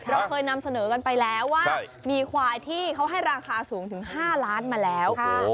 เราเคยนำเสนอกันไปแล้วว่ามีควายที่เขาให้ราคาสูงถึง๕ล้านมาแล้ว